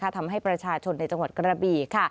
ทำให้ประชาชนในจังหวัดกระบี่